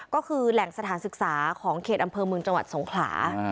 ก็คือแหล่งสถานศึกษาของเขตอำเภอเมืองจังหวัดสงขลา